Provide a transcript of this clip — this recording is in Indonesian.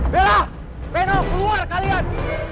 bella reno keluar kalian